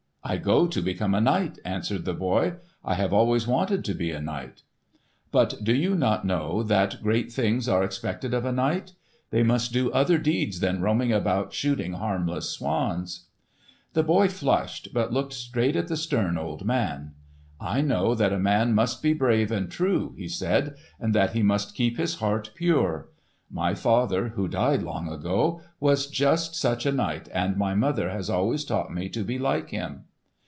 "I go to become a knight," answered the boy. "I have always wanted to be a knight." "But do you not know that great things are expected of a knight? They must do other deeds than roaming about shooting harmless swans." The boy flushed, but looked straight at the stern old man. "I know that a man must be brave and true," he said; "and that he must keep his heart pure. My father, who died long ago, was such a knight, and my mother has always taught me to be like him."